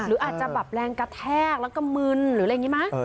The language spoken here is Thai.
หรืออาจจะแบบแรงกระแทกแล้วก็มึนหรืออะไรอย่างนี้ไหม